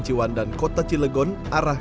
ciwan dan kota cilegon arah